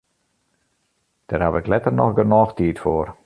Dêr haw ik letter noch genôch tiid foar.